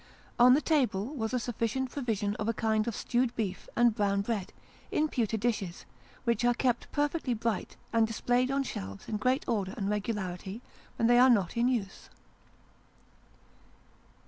On the table was a sufficient provision of a kind of stewed beef and brown bread, in pewter dishes, which are kept perfectly bright, and displayed on shelves in great order and regularity when they are not in use.